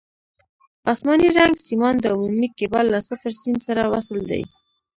اسماني رنګ سیمان د عمومي کیبل له صفر سیم سره وصل دي.